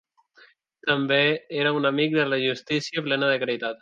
També era un amic de la justícia, plena de caritat.